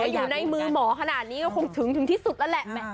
อยู่ในมือหมอขนาดนี้ก็คงถึงที่สุดแล้วแหละ